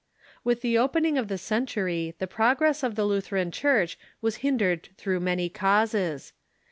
With the opening of the century the progress of the Lu theran Church was hindered through many causes.